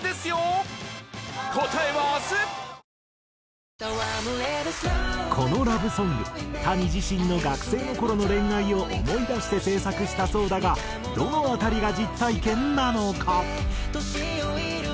サントリーこのラブソングＴａｎｉ自身の学生の頃の恋愛を思い出して制作したそうだがどの辺りが実体験なのか？